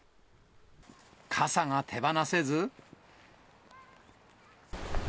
傘が手放せず。